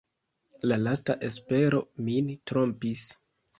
la lasta espero min trompis.